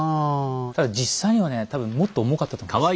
ただ実際にはね多分もっと重かったと思います。